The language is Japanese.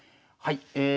はい。